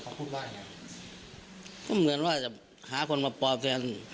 ก็เหมือนว่าจะหาคนมาปล่อการที่ผม